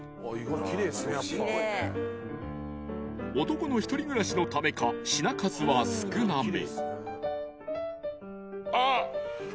［男の１人暮らしのためか品数は少なめ］